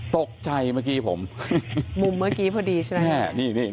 ตกใจเมื่อกี้ผมมุมเมื่อกี้พอดีใช่ไหม